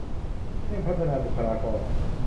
เร่งพัฒนาบุคลากร